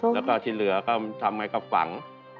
แล้วก็ที่เหลือก็ทำไงก็ฝัง